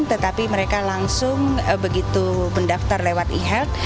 tetapi mereka langsung begitu mendaftar lewat ehealth